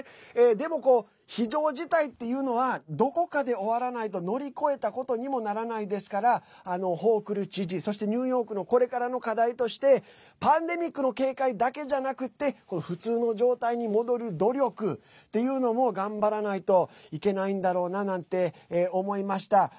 でも、非常事態っていうのはどこかで終わらないと乗り越えたことにもならないですからホークル知事そしてニューヨークのこれからの課題としてパンデミックの警戒だけじゃなくて普通の状態に戻る努力っていうのも頑張らないといけないんだろうななんて思いました。